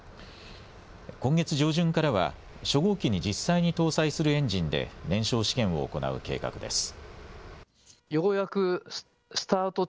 今月上旬からは初号機に実際に搭載するエンジンで燃焼試験を行う計画です。